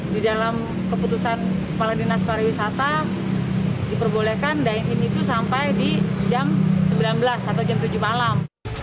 di dalam keputusan dinas pariwisata diperbolehkan dan ini sampai di jam sembilan belas atau jam tujuh malam